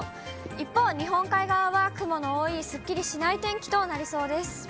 一方、日本海側は雲の多いすっきりしない天気となりそうです。